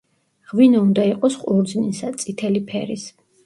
ღვინო უნდა იყოს ყურძნისა, წითელი ფერის.